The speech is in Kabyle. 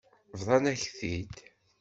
Bḍan-ak-t-id.